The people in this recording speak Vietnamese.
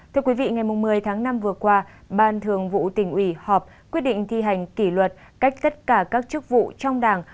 thưa quý vị ngày một mươi tháng năm vừa qua ban thường vụ tỉnh ủy họp quyết định thi hành kỷ luật cách tất cả các chức vụ trong đảng